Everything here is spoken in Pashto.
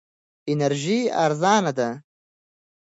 انرژي ارزانه ده.